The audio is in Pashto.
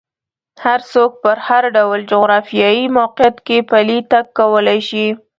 هر څوک په هر ډول جغرافیایي موقعیت کې پلی تګ کولی شي.